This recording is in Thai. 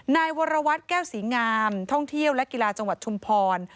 นายวรวัตรแก้วศรีงามท่องเที่ยวและกีฬาจังหวัดชุมพร